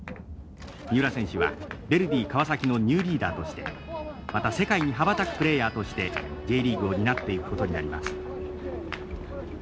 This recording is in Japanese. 三浦選手はヴェルディ川崎のニューリーダーとしてまた世界に羽ばたくプレーヤーとしてＪリーグを担っていくことになります。